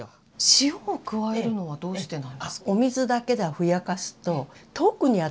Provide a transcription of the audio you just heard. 塩を加えるのはどうしてなんです？